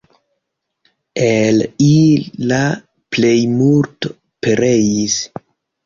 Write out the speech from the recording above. El ili la plejmulto pereis.